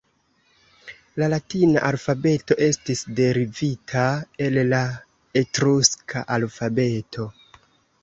La Latina alfabeto estis derivita el la Etruska alfabeto.